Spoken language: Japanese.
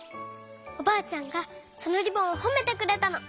おばあちゃんがそのリボンをほめてくれたの。